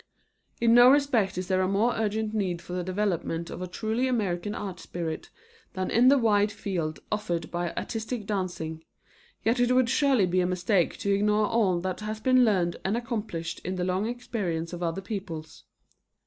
In no respect is there a more urgent need for the development of a truly American art spirit than in the wide field offered by artistic dancing, yet it would surely be a mistake to ignore all that has been learned and accomplished in the long experience of other peoples.